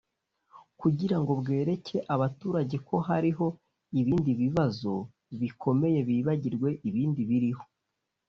kugira ngo bwereke abaturage ko hariho ibindi bibazo bikomeye bibagirwe ibindi biriho”